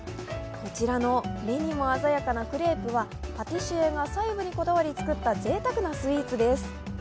こちらの目にも鮮やかなクレープはパティシエが細部にこだわり作ったぜいたくなスイーツです。